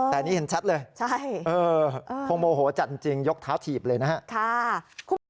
แต่นี่เห็นชัดเลยคงโมโหจัดจริงยกเท้าถีบเลยนะครับ